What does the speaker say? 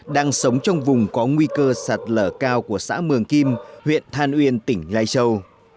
đang sống trong vùng có nguy cơ sạt lở cao của xã mường kim huyện than uyên tỉnh lai châu